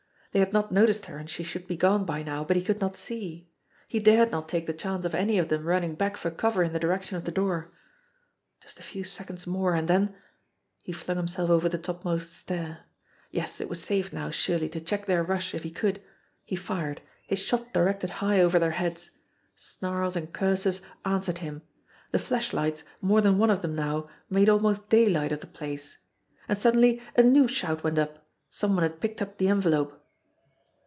They had not noticed her and she should be gone by now, but he could not see. He dared not take the chance of any of them running back for cover in the di rection of the door. Just a few seconds more, and then he flung himself over the topmost stair yes, it was safe now surely to check their rush if he could. He fired his shot directed high over their heads. Snarls and curses answered him. The flashlights, more than one of them now, made al most daylight of the place. And suddenly a new shout went up. Some one had picked up the envelope